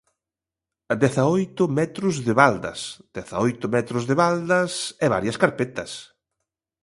Dezaoito metros de baldas Dezaoito metros de baldas e varias carpetas.